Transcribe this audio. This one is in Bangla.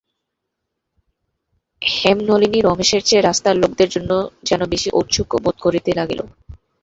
হেমনলিনী রমেশের চেয়ে রাস্তার লোকদের জন্য যেন বেশি ঔৎসুক্য বোধ করিতে লাগিল।